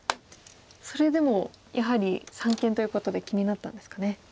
それでもやはり三間ということで気になったんですかね。